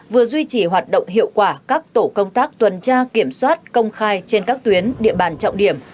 vừa duy trì hoạt động hiệu quả các tổ công tác tuần tra kiểm soát công khai trên các tuyến địa bàn trọng điểm